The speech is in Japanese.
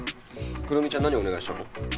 くるみちゃん何お願いしたの？